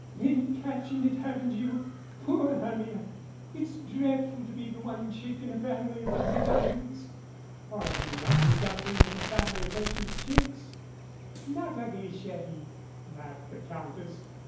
"Been catching it haven't you? PoorHermia! It's dreadful to be the one chick in a family of ugly duck lings " "Or the ugly duckling in a family of virtuous chicks "Not ugly, cherle" laughed the Countess.